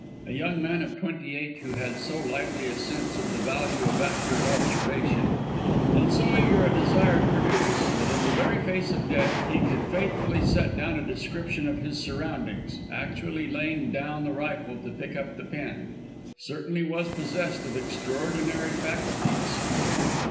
A young man of twenty eight who had so lively a sense of the value of accurate observation, and so eager a desire to produce that in the very face of death he could faithfully set down a description of his surroundings, actually laying down the rifle to pick up the pen, certainly was possessed of extraordinary faculties.